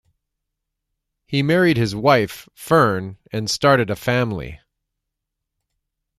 He married his wife, Fern, and started a family.